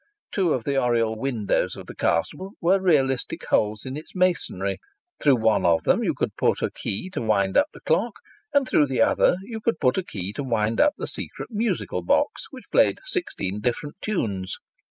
Two of the oriel windows of the castle were realistic holes in its masonry; through one of them you could put a key to wind up the clock, and through the other you could put a key to wind up the secret musical box, which played sixteen different tunes.